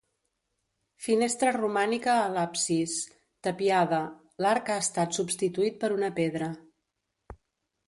Finestra romànica a l'absis, tapiada, l'arc ha estat substituït per una pedra.